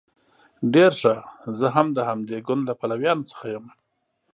ډیر ښه زه هم د همدې ګوند له پلویانو څخه یم.